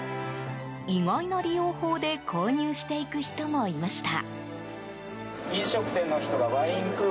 意外な利用法で購入していく人もいました。